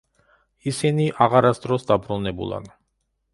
ისინი აღარასდროს დაბრუნებულან.